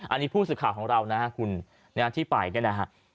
อันนี้ผู้สื่อข่าวของเรานะฮะคุณที่ไปเนี่ยนะฮะ